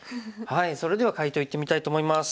それでは解答いってみたいと思います。